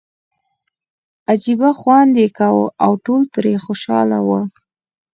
عجیبه خوند یې کاوه او ټول پرې خوشاله وو.